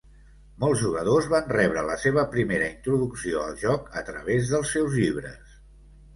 Molts jugadors van rebre la seva primera introducció al joc a través dels seus llibres.